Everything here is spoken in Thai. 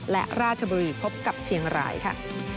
และราชบุรีพบกับเชียงรายค่ะ